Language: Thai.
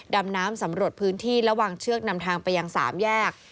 ดำน้ำสำรวจพื้นที่และวางเชือกนำทางไปยัง๓แยก